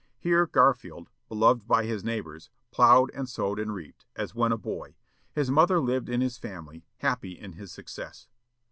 Here Garfield, beloved by his neighbors, ploughed and sewed and reaped, as when a boy. His mother lived in his family, happy in his success.